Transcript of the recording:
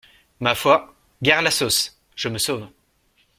Ma foi !… gare la sauce !… je me sauve !…